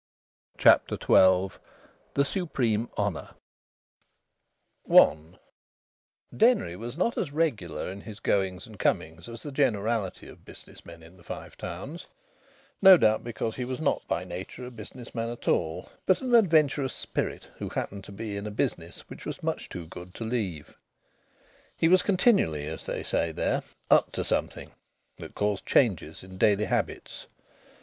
CHAPTER XII THE SUPREME HONOUR I Denry was not as regular in his goings and comings as the generality of business men in the Five Towns; no doubt because he was not by nature a business man at all, but an adventurous spirit who happened to be in a business which was much too good to leave. He was continually, as they say there, "up to something" that caused changes in daily habits.